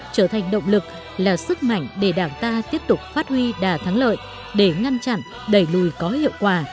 trở thành động lực là sức mạnh để đảng ta tiếp tục phát huy đà thắng lợi để ngăn chặn đẩy lùi có hiệu quả